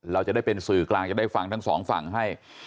เราจะได้เป็นสื่อกลางจะได้ฟังทั้งสองฝั่งให้